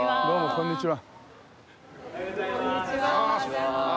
こんにちは。